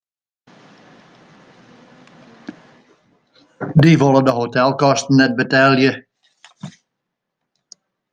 Dy wolle de hotelkosten net betelje.